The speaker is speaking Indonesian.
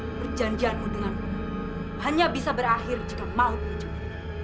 perjanjianmu denganmu hanya bisa berakhir jika maupun jono